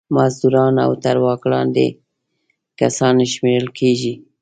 مزدوران او تر واک لاندې کسان شمېرل کیږي.